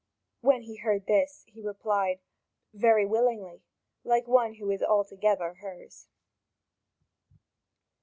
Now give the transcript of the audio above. When he heard this, he replied: "Very willingly," like one who is altogether hers.